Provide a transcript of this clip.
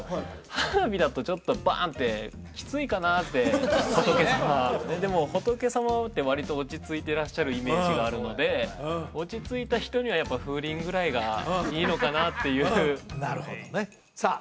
花火だとちょっとバーンってきついかなって仏様でも仏様って割と落ち着いていらっしゃるイメージがあるので落ち着いた人にはやっぱ風鈴ぐらいがいいのかなっていうなるほどねさあ